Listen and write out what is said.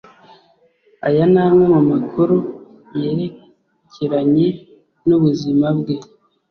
aya ni amwe mu makuru yerekeranye n’ubuzima bwe